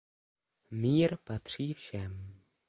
Mír patří všem.